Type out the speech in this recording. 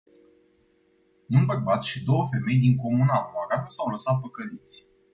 Un bărbat și două femei din comuna Moara nu s-au lăsat păcăliți.